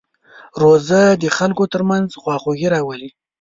روژه د خلکو ترمنځ خواخوږي راولي.